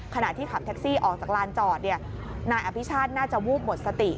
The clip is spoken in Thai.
ขณะที่ขับแท็กซี่ออกจากลานจอดนายอภิชาติน่าจะวูบหมดสติ